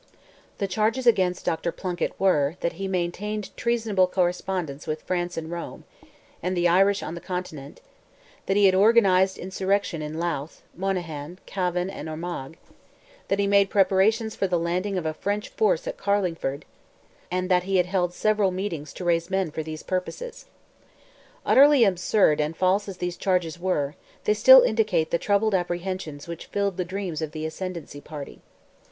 The charges against Dr. Plunkett were, that he maintained treasonable correspondence with France and Rome, and the Irish on the continent; that he had organised an insurrection in Louth, Monaghan, Cavan, and Armagh; that he made preparations for the landing of a French force at Carlingford; and that he had held several meetings to raise men for these purposes. Utterly absurd and false as these charges were, they still indicate the troubled apprehensions which filled the dreams of the ascendency party.